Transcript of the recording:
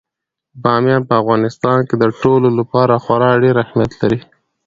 بامیان په افغانستان کې د ټولو لپاره خورا ډېر اهمیت لري.